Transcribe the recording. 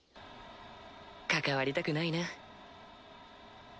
関わりたくないな。